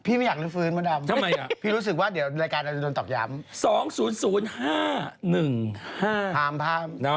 พี่ไม่อยากลืมฟื้นพระดำพี่รู้สึกว่าเดี๋ยวรายการนั้นจะโดนตอบย้ำ